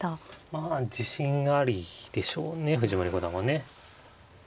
まあ自信ありでしょうね藤森五段はね。